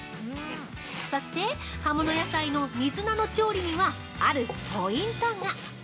そして、葉物野菜の水菜の調理には、あるポイントが。